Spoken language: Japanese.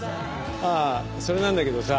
ああそれなんだけどさ。